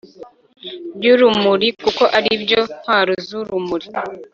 by'urumuri, kuko ari byo ntwaro z'urumuri